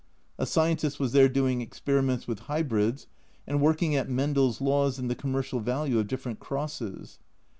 A scientist was there doing experi ments with hybrids, and working at Mendel's laws and the commercial value of different crosses.